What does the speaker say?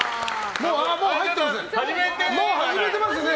もう入ってますね。